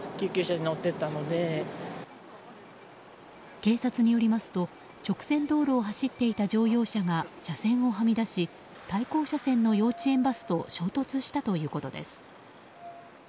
警察によりますと直線道路を走っていた乗用車が車線をはみ出し対向車線の幼稚園バスと衝突したということです。